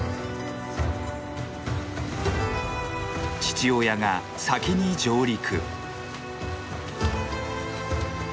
父親が先に上陸。